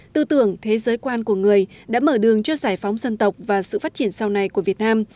tư tưởng thế giới quan của người đã mở đường cho giải phóng dân tộc và sự phát triển sau này của việt nam